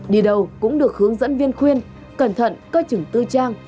đi đâu cũng được hướng dẫn viên khuyên cẩn thận cơ chừng tư trang